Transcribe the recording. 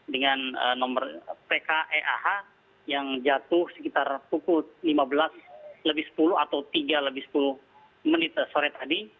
dengan nomor pkeah yang jatuh sekitar pukul lima belas sepuluh atau tiga sepuluh sore tadi